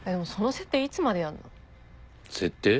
設定？